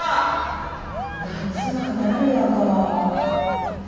夏はダリアか。